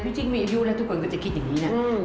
จริงมีอายุแล้วทุกคนก็จะคิดอย่างนี้นะ